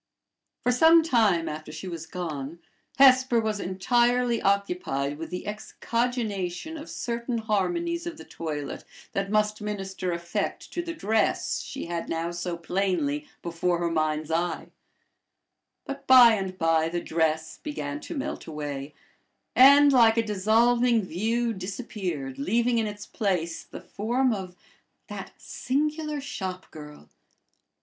For some time after she was gone, Hesper was entirely occupied with the excogitation of certain harmonies of the toilet that must minister effect to the dress she had now so plainly before her mind's eye; but by and by the dress began to melt away, and like a dissolving view disappeared, leaving in its place the form of "that singular shop girl."